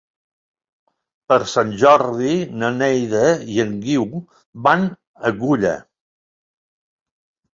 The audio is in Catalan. Per Sant Jordi na Neida i en Guiu van a Culla.